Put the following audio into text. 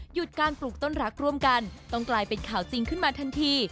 หยุดการปลูกต้นรักร่วมกันต้องกลายเป็นข่าวจริงขึ้นมาทันที